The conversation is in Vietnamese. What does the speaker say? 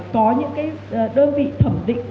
có những cái đơn vị thẩm định